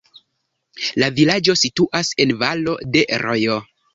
La vilaĝo situas en valo de rojo.